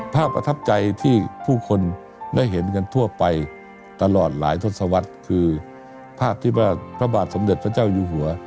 ประทับใจที่ผู้คนได้เห็นกันทั่วไปตลอดหลายทศวรรษคือภาพที่ว่าพระบาทสมเด็จพระเจ้าอยู่หัว